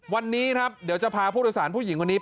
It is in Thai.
วันนี้ครับเดี๋ยวจะพาผู้โดยสารผู้หญิงคนนี้